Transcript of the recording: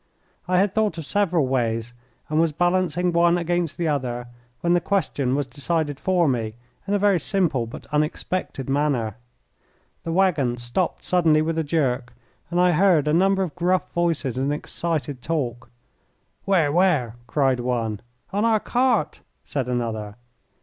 I had thought of several ways, and was balancing one against the other when the question was decided for me in a very simple but unexpected manner. The waggon stopped suddenly with a jerk, and I heard a number of gruff voices in excited talk. "Where, where?" cried one. "On our cart," said another.